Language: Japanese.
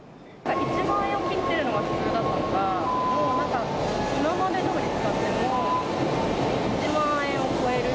１万円を切ってるのが普通だったのが、もうなんか、今までどおり使っても、１万円を超える。